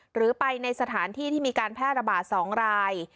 หรือไปในสถานที่ที่มีการแพร่ระบาด๒ราย